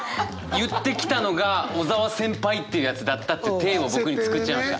言ってきたのが小沢先輩っていうやつだったっていう体を僕つくっちゃいました。